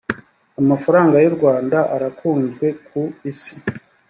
amafaranga yu rwanda arakunzwe ku isi.